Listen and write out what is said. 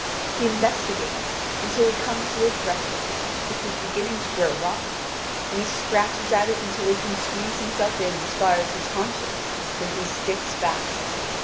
He investigates, until he comes to the threshold, which was beginning to grow rotten; and he scratches at it until he can squeeze himself in as far as his haunches, when he sticks fast.